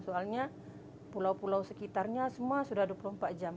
soalnya pulau pulau sekitarnya semua sudah dua puluh empat jam